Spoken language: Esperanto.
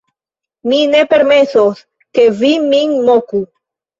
mi ne permesos, ke vi min moku!